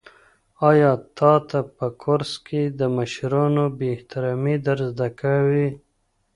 آیا تا ته په کورس کې د مشرانو بې احترامي در زده کوي؟